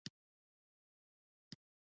پالک څه ګټه لري؟